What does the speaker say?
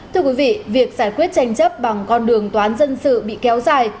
thưa quý vị việc giải quyết tranh chấp bằng con đường toán dân sự bị kéo dài